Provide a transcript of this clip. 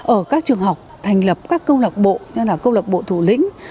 ở các trường học thành lập các công lạc bộ như là công lạc bộ thủ lĩnh